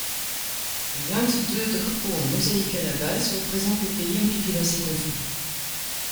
Vingt-deux drapeaux en mosaïques à la base représentent les pays impliqués dans ces conflits.